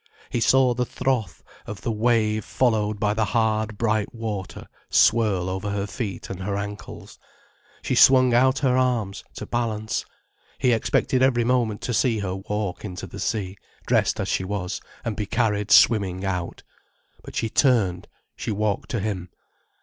He saw the froth of the wave followed by the hard, bright water swirl over her feet and her ankles, she swung out her arms, to balance, he expected every moment to see her walk into the sea, dressed as she was, and be carried swimming out. But she turned, she walked to him.